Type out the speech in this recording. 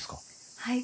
はい。